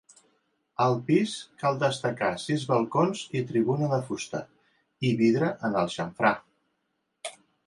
Al pis cal destacar sis balcons i tribuna en fusta i vidre en el xamfrà.